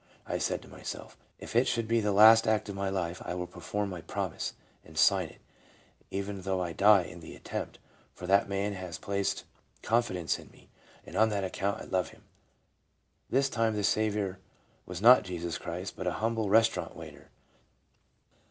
" I said to myself : If it should be the last act of my life, I will perform my promise, and sign it, even though I die in the attempt, for that man has placed confi dence in me, and on that account I love him." This time the Saviour was not Jesus Christ, but an humble restaurant waiter.